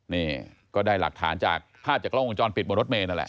นี่ก็ได้หลักฐานจากภาพจากกล้องวงจรปิดบนรถเมย์นั่นแหละ